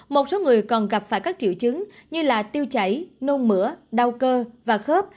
một số người còn gặp phải các triệu chứng như tiêu chảy nôn mửa đau cơ và khớp